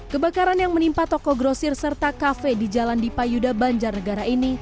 kebakaran yang menimpa toko grosir serta kafe di jalan dipayuda banjarnegara ini